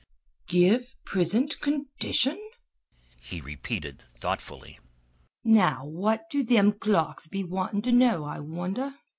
"Give prisint condition," he repeated thoughtfully. "Now what do thim clerks be wantin' to know, I wonder!